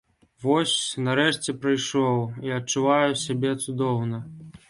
Вось, нарэшце, прыйшоў, і адчуваю сябе цудоўна!